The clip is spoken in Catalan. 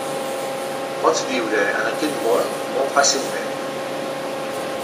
Pots viure en aquest món molt fàcilment.